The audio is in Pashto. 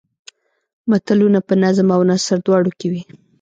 متلونه په نظم او نثر دواړو کې وي